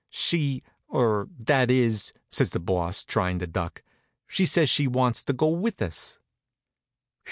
"She er that is," says the Boss, trying to duck, "she says she wants to go with us."